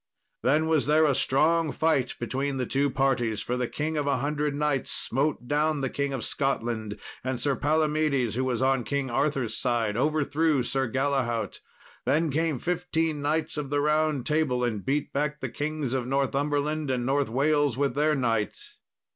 Then was there a strong fight between the two parties, for the King of a Hundred Knights smote down the King of Scotland; and Sir Palomedes, who was on King Arthur's side, overthrew Sir Galahaut. Then came fifteen Knights of the Round Table and beat back the Kings of Northumberland and North Wales with their knights.